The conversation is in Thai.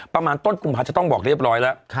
ประมาณต้นกุมภาจะต้องบอกเรียบร้อยแล้ว